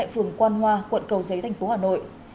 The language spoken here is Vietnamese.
phường quan hoa quận cầu giấy thành phố hà nội